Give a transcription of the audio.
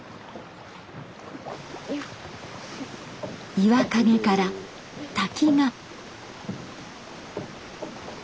岩陰から滝が。